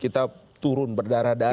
kita turun berdarah darah